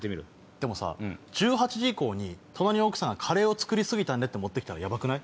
でも１８時以降に隣の奥さんがカレーを作り過ぎたんでって持って来たらヤバくない？